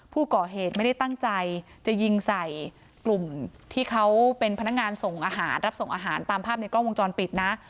ผู้ก่อเหตุไม่ได้ตั้งใจจะยิงใส่กลุ่มที่เขาเป็นพนักงานส่งอาหารรับส่งอาหารตามภาพในกล้องวงจรปิดนะ